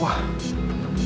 wah ini apaan